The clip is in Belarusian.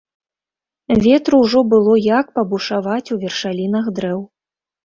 Ветру ўжо было як пабушаваць у вершалінах дрэў.